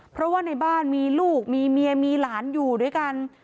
เพราะว่าในบ้านมีลูกมีเมียมีหลานอยู่ด้วยกัน